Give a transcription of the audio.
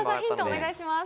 お願いします。